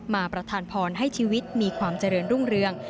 ประธานพรให้ชีวิตมีความเจริญรุ่งเรือง